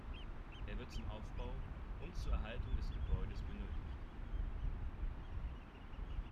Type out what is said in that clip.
Er wird zum Aufbau und zur Erhaltung des Gehäuses benötigt.